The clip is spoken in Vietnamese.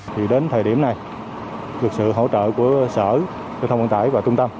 thì đến thời điểm này lực sự hỗ trợ của sở cơ thông vận tải và trung tâm